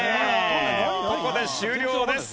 ここで終了です。